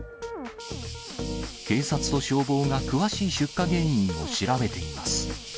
警察と消防が詳しい出火原因を調べています。